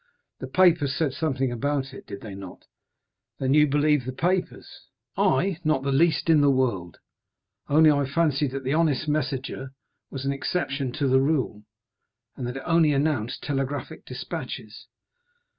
The papers said something about it, did they not?" "Then you believe the papers?" "I?—not the least in the world; only I fancied that the honest Messager was an exception to the rule, and that it only announced telegraphic despatches."